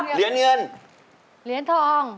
เหรียญทอง